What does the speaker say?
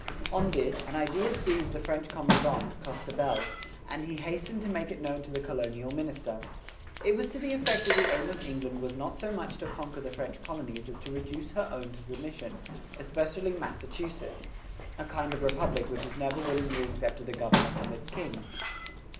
On this, an idea seized the French commandant, Costebelle, and he hastened to make it known to the colonial minister. It was to the effect that the aim of England was not so much to conquer the French colonies as to reduce her own to submission, especially Massachusetts, a kind of republic which has never willingly accepted a governor from its king.